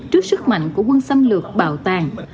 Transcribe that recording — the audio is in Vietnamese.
trước sức mạnh của quân xâm lược bảo tàng